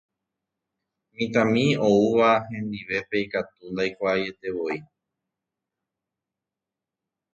Mitãmi oúva hendivépe katu ndaikuaaietevoi.